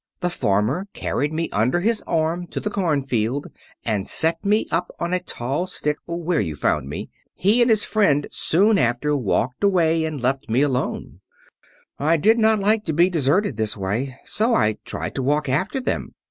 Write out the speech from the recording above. The farmer carried me under his arm to the cornfield, and set me up on a tall stick, where you found me. He and his friend soon after walked away and left me alone. "I did not like to be deserted this way. So I tried to walk after them.